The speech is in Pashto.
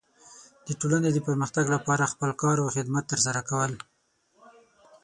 د ټولنې د پرمختګ لپاره خپل کار او خدمت ترسره کول.